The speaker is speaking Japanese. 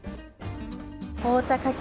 大田花き